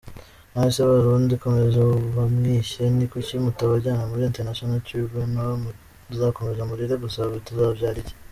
Nonese barundi komuzi abamwishye nikuki mutabajyana muri international tribunal muzakomeza murire gusa bizavyara iki